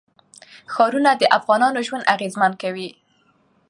ښارونه د افغانانو ژوند اغېزمن کوي.